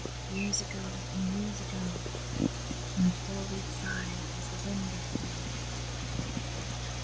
Years ago, and years ago; And the tall reeds sigh as the wind doth blow.